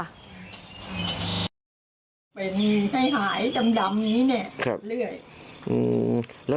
เป็นให้หายดำนี้นะครับเรื่อย